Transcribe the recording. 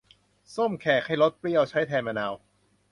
ส้มแขก ให้รสเปรี้ยว ใช้แทนมะนาว